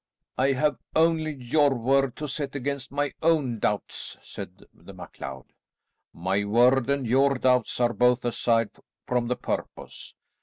"I have only your word to set against my own doubts," said the MacLeod. "My word and your doubts are both aside from the purpose.